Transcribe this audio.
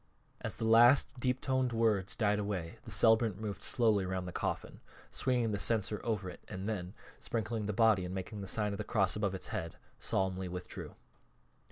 As the last deep toned words died away the celebrant moved slowly around the coffin, swinging the censer over it and then, sprinkling the body and making the sign of the cross above its head, solemnly withdrew.